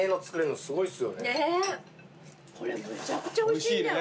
おいしいね。